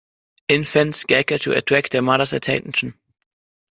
Infants "gecker" to attract their mother's attention.